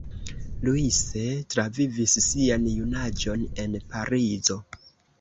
Louise travivis sian junaĝon en Parizo.